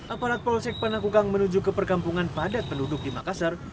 aparat polsek panakukang menuju ke perkampungan padat penduduk di makassar